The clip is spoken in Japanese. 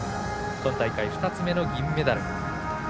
今大会２つ目の銀メダル。